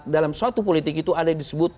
dalam suatu politik itu ada yang disebut